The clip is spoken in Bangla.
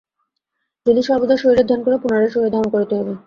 যদি সর্বদা শরীরের ধ্যান কর, পুনরায় শরীর ধারণ করিতে হইবে।